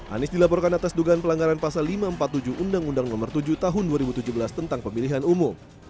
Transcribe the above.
anies dilaporkan atas dugaan pelanggaran pasal lima ratus empat puluh tujuh undang undang nomor tujuh tahun dua ribu tujuh belas tentang pemilihan umum